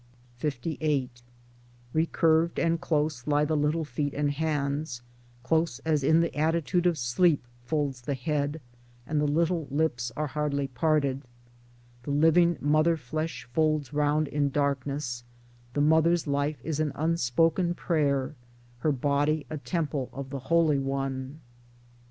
LVIII Recurved and close lie the little feet and hands, close as in the attitude of sleep folds the head, the little lips are hardly parted; The living mother flesh folds round in darkness, the mother's life is an unspoken prayer, her body a temple of the Holy One.